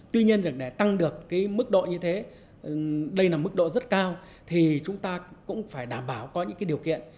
tuy nhiên để tăng được cái mức độ như thế đây là mức độ rất cao thì chúng ta cũng phải đảm bảo có những điều kiện